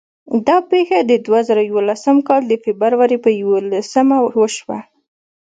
دا پېښه د دوه زره یولسم کال د فبرورۍ په یوولسمه وشوه.